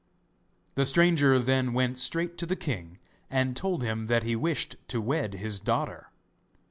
The stranger then went straight to the king, and told him that he wished to wed his daughter.